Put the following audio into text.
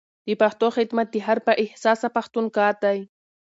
د پښتو خدمت د هر با احساسه پښتون کار دی.